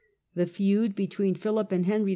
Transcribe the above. The feud between Philip and Henry II.